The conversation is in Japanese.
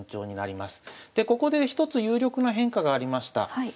でここで一つ有力な変化がありました。